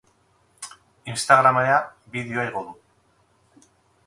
Instagramera bideoa igo du.